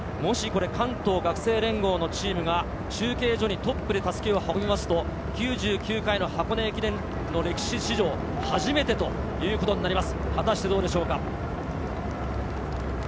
もしこれ、関東学生連合のチームが中継所にトップで襷を運びますと、９９回の箱根駅伝の歴史史上初めてということになります。